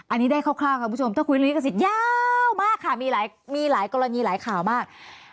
อันนี้ได้คร่าวค่ะผู้ชมต้องคุยกับสิทธิ์ยาวมากค่ะมีหลายกรณีหลายข่าวมาก